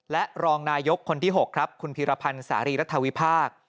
และรองนายกคนที่๖ครับคุณพีรพันธ์สารีรัฐวิพากษ์